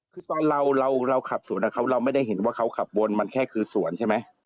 คือตอนเราเราขับสวนเราไม่ได้เห็นว่าเขาขับบนมันแค่คือสวนใช่ไหม